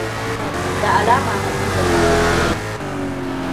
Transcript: Da alama Habibu na da kirki.